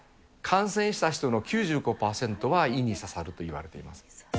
感染した人の９５％は胃に刺さるといわれています。